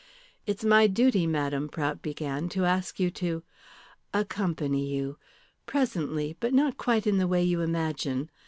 "It's my duty, madame," Prout began, "to ask you to " "Accompany you. Presently, but not quite in the way you imagine.